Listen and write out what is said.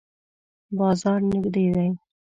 بازار نږدې دی؟